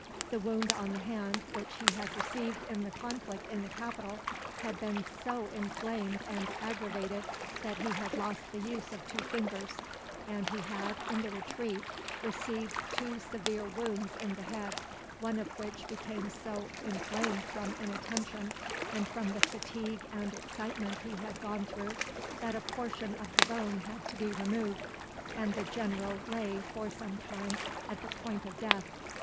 The wound on the hand, which he had received in the conflict in the capital, had been so inflamed and aggravated that he had lost the use of two fingers; and he had, in the retreat, received two severe wounds in the head, one of which became so inflamed from inattention, and from the fatigue and excitement he had gone through, that a portion of the bone had to be removed; and the general lay, for some time, at the point of death.